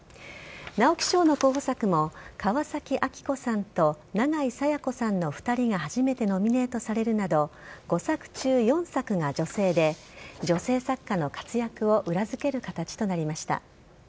直木賞の候補作も河崎秋子さんと永井紗耶子さんの２人が初めてノミネートされるなど５作中４作が女性で女性作家の活躍を裏付ける形となりました。